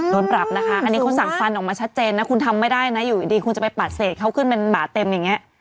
โดนปรับนะคะอันนี้เขาสั่งฟันออกมาชัดเจนนะคุณทำไม่ได้นะอยู่ดีคุณจะไปปัดเศษเขาขึ้นเป็นบาทเต็มอย่างนี้